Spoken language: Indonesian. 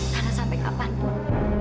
karena sampai kapanpun